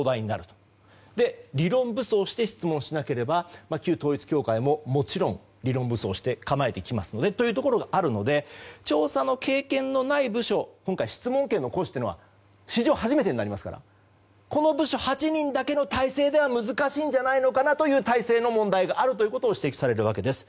そして理論武装して質問しなければ旧統一教会ももちろん理論武装してきますのでというところがあるので調査の経験のない部署の今回、質問権の行使は史上初めてになりますからこの部署８人だけの体制では難しいんじゃないかという問題があると指摘されています。